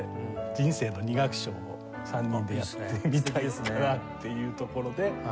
人生の２楽章を３人でやってみたいかなというところで。